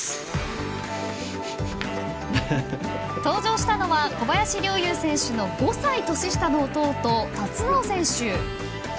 登場したのは小林陵侑選手の５歳年下の弟・龍尚選手。